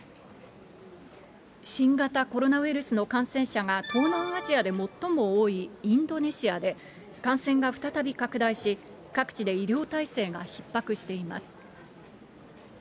新型コロナウイルスの感染者が東南アジアで最も多いインドネシアで、感染が再び拡大し、各地で医療体制がひっ迫しています。